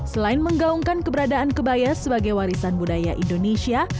selain menggaungkan keberadaan kebaya sebagai warisan budaya indonesia